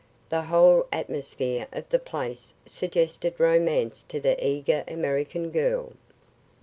The whole atmosphere of the place suggested romance to the eager American girl.